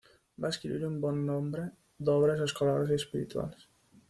Va escriure un bon nombre d'obres escolars i espirituals.